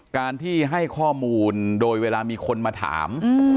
การที่ให้ข้อมูลโดยเวลามีคนมาถาม